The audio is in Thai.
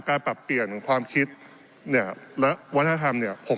ปรับเปลี่ยนความคิดเนี่ยและวัฒนธรรมเนี่ย